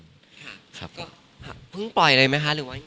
แต่ก็พึ่งปล่อยนะครับ